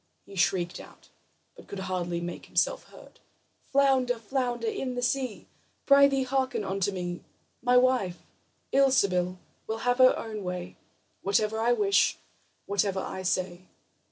He shrieked out, but could hardly make himself heard: "Flounder, flounder in the sea, Prythee, hearken unto me: My wife, Ilsebil, will have her own way Whatever I wish, whatever I say."